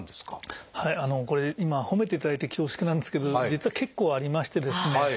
今褒めていただいて恐縮なんですけど実は結構ありましてですね